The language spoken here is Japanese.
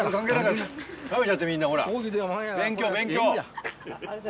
食べちゃってみんなほら勉強勉強。